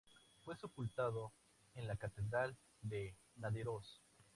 Fue sepultado en la Catedral de Nidaros.